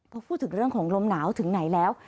พอพูดถึงเรื่องของลมหนาวถึงไหนแล้ว